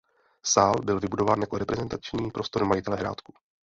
Sál byl vybudován jako reprezentační prostor majitele Hrádku.